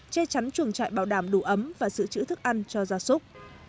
che chắn chuồng trại bảo đảm đủ ấm và giữ chữ thức ăn cho gia súc